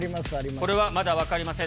これはまだ分かりません。